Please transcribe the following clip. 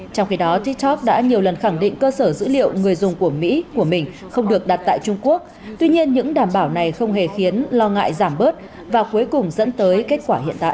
trong khi đó tiktok đã nhiều lần khẳng định cơ sở dữ liệu người dùng của mỹ của mình không được đặt tại trung quốc tuy nhiên những đảm bảo này không hề khiến lo ngại giảm bớt và cuối cùng dẫn tới kết quả hiện tại